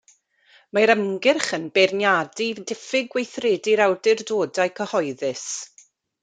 Mae'r ymgyrch yn beirniadu diffyg gweithredu'r awdurdodau cyhoeddus.